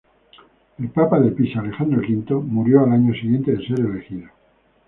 El papa de Pisa, Alejandro V, murió al año siguiente de ser elegido.